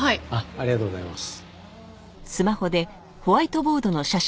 ありがとうございます。